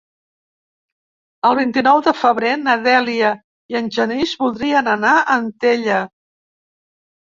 El vint-i-nou de febrer na Dèlia i en Genís voldrien anar a Antella.